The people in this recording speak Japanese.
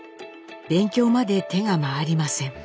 勉強まで手が回りません。